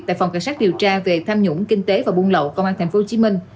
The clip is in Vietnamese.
tại phòng cảnh sát điều tra về tham nhũng kinh tế và buôn lậu công an tp hcm